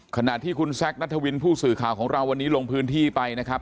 ขณะที่คุณแซคนัทวินผู้สื่อข่าวของเราวันนี้ลงพื้นที่ไปนะครับ